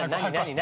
何？